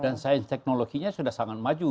dan sains teknologinya sudah sangat maju